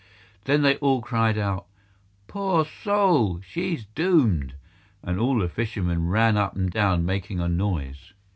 Then they all cried out, "Poor soul! she's doomed," and all the fishermen ran up and down making a noise.